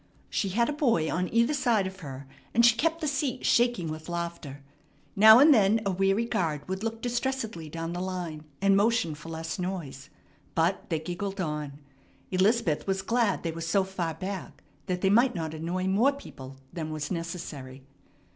She had a boy on either side of her, and she kept the seat shaking with laughter. Now and then a weary guard would look distressedly down the line, and motion for less noise; but they giggled on. Elizabeth was glad they were so far back that they might not annoy more people than was necessary.